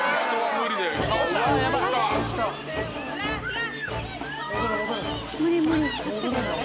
無理無理。